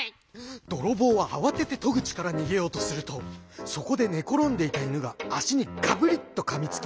どろぼうはあわててとぐちからにげようとするとそこでねころんでいたイヌがあしにガブリッとかみつきました。